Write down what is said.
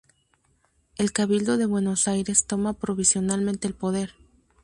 El Cabildo de Buenos Aires toma provisionalmente el poder.